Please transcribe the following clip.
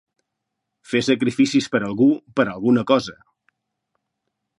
Fer sacrificis per algú, per alguna cosa.